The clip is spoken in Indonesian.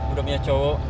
udah punya cowok